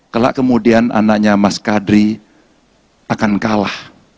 kelak kemudian anaknya mas kadri akan kalah